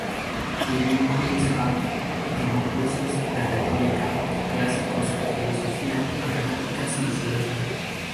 Vivió en Hollis Hall y tomó cursos de retórica, clásicos, filosofía, matemáticas, y ciencia.